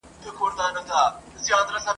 له هیڅ وره ورته رانغلل جوابونه ..